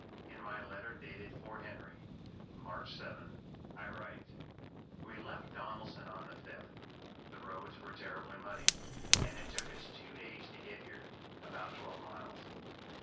In my letter dated Fort Henry, March 7, I write: "We left Donelson on the 5th. The roads were terribly muddy, and it took us two days to get here, about twelve miles.